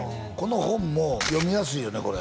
この本も読みやすいよね